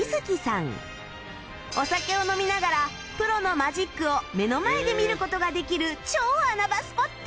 お酒を飲みながらプロのマジックを目の前で見る事ができる超穴場スポット